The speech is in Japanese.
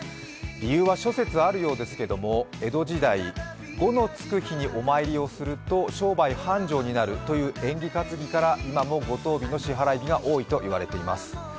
理由は諸説あるようですけど、江戸時代、５のつく日にお参りをすると商売繁盛になるという縁起担ぎから、今も五・十日の支払日が多いと言われています。